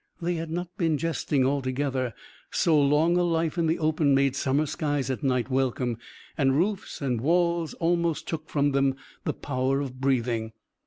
They had not been jesting altogether. So long a life in the open made summer skies at night welcome, and roofs and walls almost took from them the power of breathing.